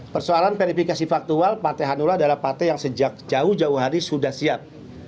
persoalan verifikasi faktual partai hanura adalah partai yang sejak jauh jauh hari sudah siap